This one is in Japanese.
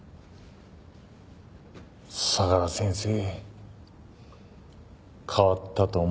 相良先生変わったと思わないか？